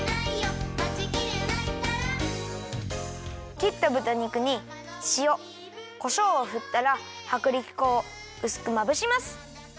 きったぶた肉にしおこしょうをふったらはくりき粉をうすくまぶします。